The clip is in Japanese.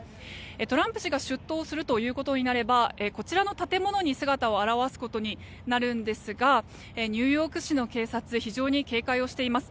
トランプ氏が出頭するということになればこちらの建物に姿を現すことになるんですがニューヨーク市の警察非常に警戒をしています。